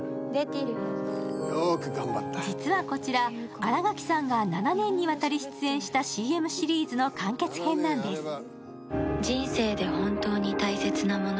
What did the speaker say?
実はこちら、新垣さんが７年にわたり出演したＣＭシリーズの完結編なんです。